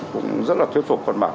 cũng rất là thuyết phục con bạc